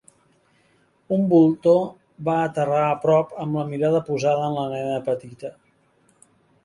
Un voltor va aterrar a prop amb la mirada posada en la nena petita.